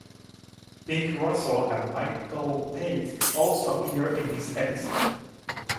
Bing Russell and Michael Pate also appear in this episode.